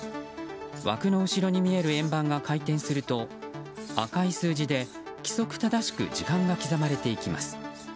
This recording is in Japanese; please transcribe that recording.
枠の後ろに見える円盤が回転すると赤い数字で、規則正しく時間が刻まれていきます。